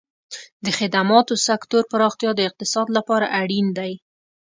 د خدماتو سکتور پراختیا د اقتصاد لپاره اړین دی.